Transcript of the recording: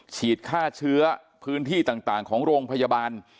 ฉีดฆ่าเชื้อพื้นที่ต่างของโรงพยาบาล